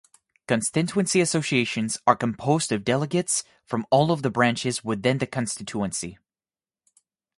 Constituency Associations are composed of delegates from all of the Branches within the constituency.